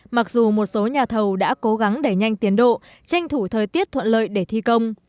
mặc dù một số nhà thầu đã cố gắng đẩy nhanh tiến độ tranh thủ thời tiết thuận lợi để thi công